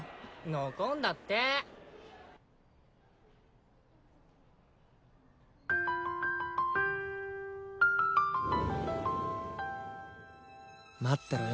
残んだって待ってろよ